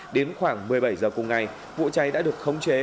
đến khoảng một mươi bảy h cùng ngày vụ cháy đã được khống chế